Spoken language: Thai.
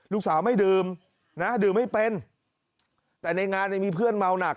ลูกสาวไม่ดื่มนะดื่มไม่เป็นแต่ในงานเนี่ยมีเพื่อนเมาหนัก